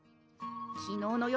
昨日の夜